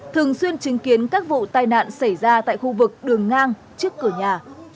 thường xuyên chứng kiến các vụ tai nạn xảy ra tại khu vực đường ngang trước cửa nhà